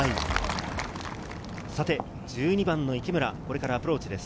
１２番の池村、これからアプローチです。